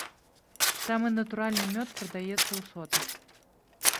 Самы натуральны мёд прадаецца ў сотах.